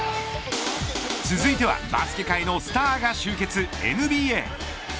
続いてはバスケ界のスターが集結ＮＢＡ。